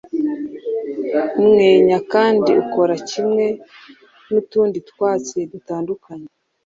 umwenya kandi ukora kimwe n’utundi twatsi dutandukanye